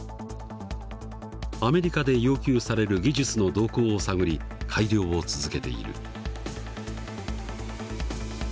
アメリカで要求される技術の動向を探り改良を続けている。